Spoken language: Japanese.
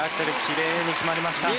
きれいに決まりました。